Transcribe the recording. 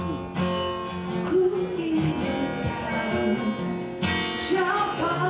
ku ingin tahu jawab di hatimu